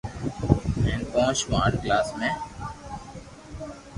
ھين پونچ مون آٺ ڪلاس ۾